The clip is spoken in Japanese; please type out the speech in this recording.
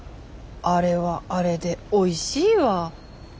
あれはあれでおいしいわ。